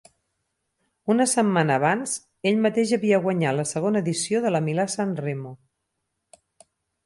Una setmana abans ell mateix havia guanyat la segona edició de la Milà-Sanremo.